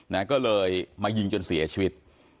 นะก็เลยมายิงจนเสียชีวิต